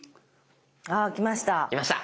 あ来ました。